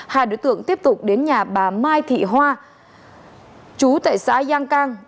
hai đối tượng tiếp tục đến nhà bà mai thị hoa chú tại xã giang cang